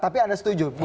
tapi anda setuju